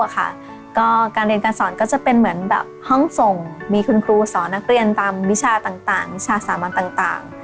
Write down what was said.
ก็การเรียนการสอนก็จะเป็นเหมือนแบบห้องส่งมีคุณครูสอนนักเรียนตามวิชาต่างวิชาสามัญต่าง